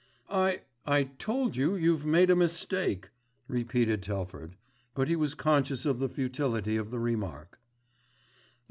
"I—I told you you've made a mistake," repeated Telford; but he was conscious of the futility of the remark.